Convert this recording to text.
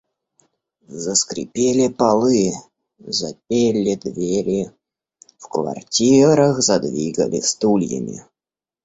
Заскрипели полы, запели двери, в квартирах задвигали стульями.